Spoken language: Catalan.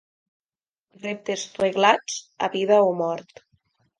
Reptes reglats a vida o mort.